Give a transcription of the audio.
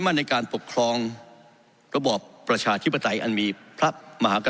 มั่นในการปกครองระบอบประชาธิปไตยอันมีพระมหากษ